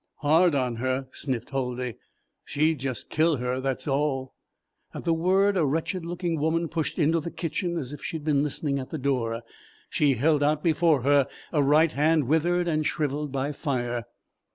"Hard on her," sniffed Huldy; "she'll just kill her; that's all." At the word a wretched looking woman pushed into the kitchen as if she had been listening at the door. She held out before her a right hand withered and shriveled by fire.